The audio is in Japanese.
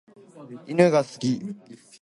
犬が好き。